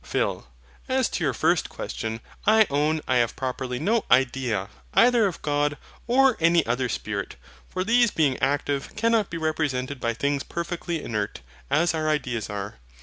PHIL. As to your first question: I own I have properly no IDEA, either of God or any other spirit; for these being active, cannot be represented by things perfectly inert, as our ideas are.